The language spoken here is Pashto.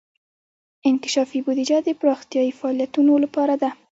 انکشافي بودیجه د پراختیايي فعالیتونو لپاره ده.